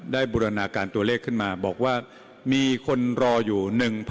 บูรณาการตัวเลขขึ้นมาบอกว่ามีคนรออยู่๑๐๐๐